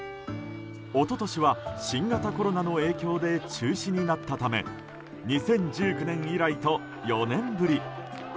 一昨年は新型コロナの影響で中止になったため２０１９年以来と４年ぶり。